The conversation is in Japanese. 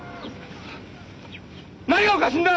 何がおかしいんだ！